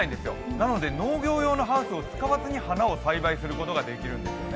なので農業用のハウスを使わずに花を栽培することができるんですね。